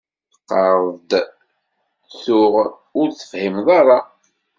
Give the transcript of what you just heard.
Teqqareḍ-d tuɣ ur tefhimeḍ ara.